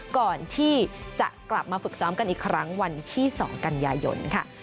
ก่อนที่จะกลับมาฝึกซ้อมกันอีกครั้งวันที่๒กันยายนค่ะ